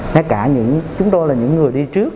ngay cả chúng tôi là những người đi trước